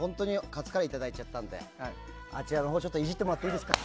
カツカレーをいただいちゃったのであちらのほうイジってもらっていいですか？